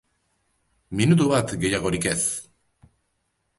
Minutu bat gehiagorik ere ez!